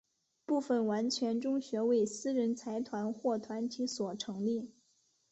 部分完全中学为私人财团或团体所成立。